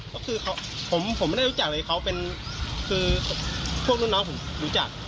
ก็คือผมไม่ได้รู้จักเลยเขาเป็นคือพวกรุ่นน้องผมรู้จัก